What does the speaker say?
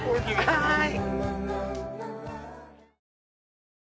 はい！